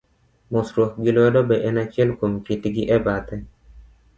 Mosruok gi lwedo be en achiel kuom kitgi e bathe.